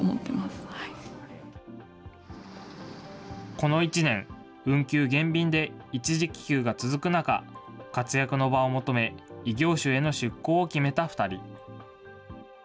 この１年、運休・減便で一時帰休が続く中、活躍の場を求め、異業種への出向を決めた２人。